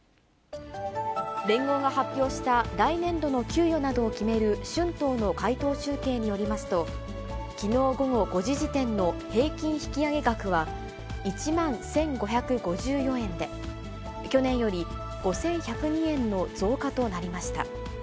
連合が発表した来年度の給与などを決める春闘の回答集計によりますと、きのう午後５時時点の平均引き上げ額は、１万１５５４円で、去年より５１０２円の増加となりました。